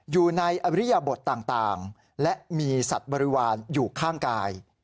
อยู่ในอริยบทต่างและมีสัตว์บริวารอยู่ข้างกาย